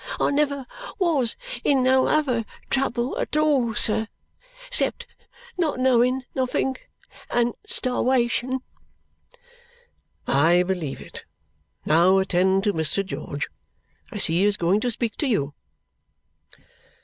I never was in no other trouble at all, sir, 'sept not knowin' nothink and starwation." "I believe it, now attend to Mr. George. I see he is going to speak to you."